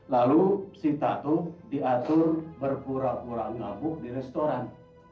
lalu si tato diatur berpura pura ngabuk di restoran